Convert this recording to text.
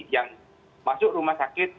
yang masuk rumah sakit